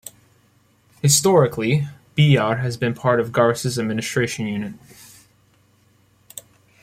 Historically, Bijar has been part of Garrus administration unit.